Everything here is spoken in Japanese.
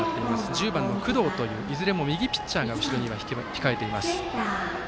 １０番の工藤といずれも右ピッチャーが後ろには控えています。